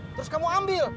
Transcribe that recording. terus kamu ambil